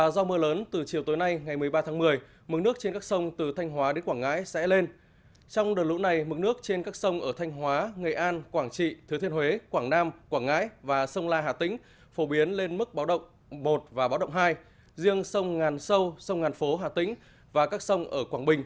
riêng sông ngàn sâu sông ngàn phố hà tĩnh và các sông ở quảng bình